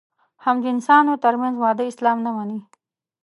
همجنسانو تر منځ واده اسلام نه مني.